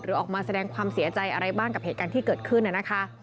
ออกมาแสดงความเสียใจอะไรบ้างกับเหตุการณ์ที่เกิดขึ้นนะคะ